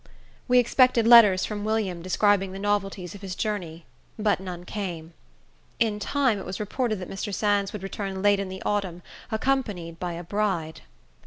We expected letters from William, describing the novelties of his journey, but none came. In time, it was reported that Mr. Sands would return late in the autumn, accompanied by a bride.